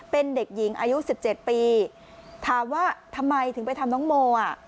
เป็นเด็กหญิงอายุ๑๗ปีถามว่าทำไมถึงไปทำน้องโมอ่ะ